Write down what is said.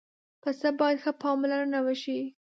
پسه باید ښه پاملرنه وشي.